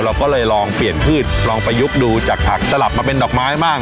เราก็เลยลองเปลี่ยนพืชลองประยุกต์ดูจากผักสลับมาเป็นดอกไม้บ้าง